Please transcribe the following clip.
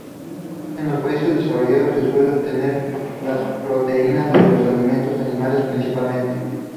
En los países desarrollados se suele obtener las proteínas de los alimentos animales principalmente.